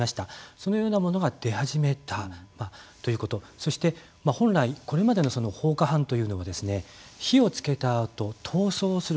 そのようなものが出始めたということそして本来これまでの放火犯というのは火をつけたあと逃走する。